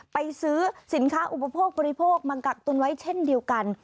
ไปซื้อสินค้าอุปโภคบริโภคมากักตุนไว้เช่นเดียวกัน